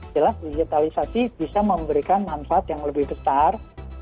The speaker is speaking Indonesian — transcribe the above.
jelas digitalisasi bisa memberikan manfaat yang lebih besar